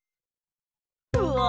うわ！